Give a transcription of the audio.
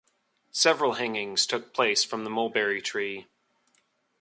Several hangings took place from the mulberry tree.